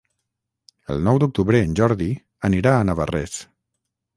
El nou d'octubre en Jordi anirà a Navarrés.